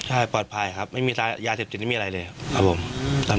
ใช่ปลอดภัยครับไม่มียาเสพติดไม่มีอะไรเลยครับผม